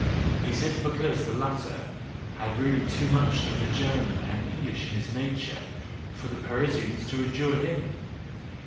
Is it because the latter had really too much of the German and the Englishman in his nature for the Parisians to endure him?